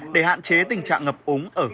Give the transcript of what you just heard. để hạn chế tình trạng ngập úng ở khu vực nội đô